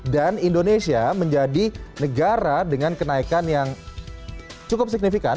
dan indonesia menjadi negara dengan kenaikan yang cukup signifikan